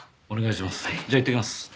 お願いします。